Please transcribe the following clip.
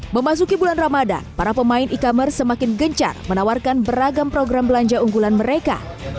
memasuki bulan ramadan para pemain e commerce semakin gencar menawarkan beragam program belanja unggulan mereka